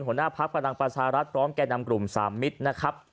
หัวหน้าพักพลังประชารัฐพร้อมแก่นำกลุ่มสามมิตรนะครับ